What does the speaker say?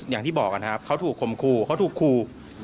อย่างที่บอกนะครับเขาถูกคมคู่เขาถูกครู